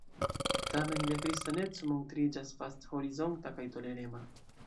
Tamen lia kristaneco montriĝas vasthorizonta kaj tolerema.